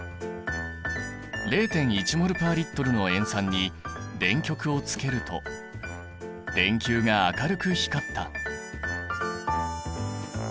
０．１ｍｏｌ／Ｌの塩酸に電極をつけると電球が明るく光った。